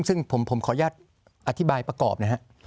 ซึ่งผมขออนุญาตอธิบายประกอบนะฮะ